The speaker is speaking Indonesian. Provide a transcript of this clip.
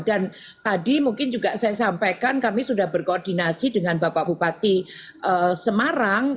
dan tadi mungkin juga saya sampaikan kami sudah berkoordinasi dengan bapak bupati semarang